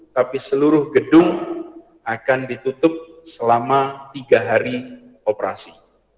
tapi seluruh gedung akan ditutup selama tiga hari operasi